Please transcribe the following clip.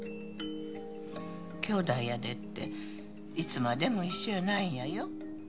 きょうだいやでっていつまでも一緒やないんやよ